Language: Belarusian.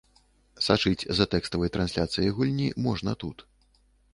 Сачыць за тэкставай трансляцыяй гульні можна тут.